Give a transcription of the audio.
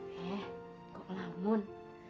eh kok lamun